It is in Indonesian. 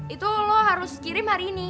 itu lo harus kirim hari ini